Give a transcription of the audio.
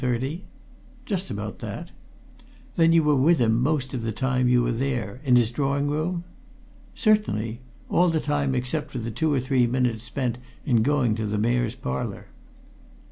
"Just about that." "Then you were with him most of the time you were there in his drawing room?" "Certainly! All the time except for the two or three minutes spent in going to the Mayor's Parlour."